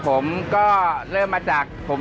ปู่พญานาคี่อยู่ในกล่อง